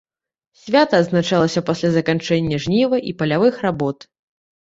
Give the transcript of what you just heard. Свята адзначалася пасля заканчэння жніва і палявых работ.